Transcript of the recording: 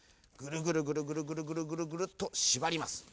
ぐるぐるぐるぐるぐるぐるっとしばります。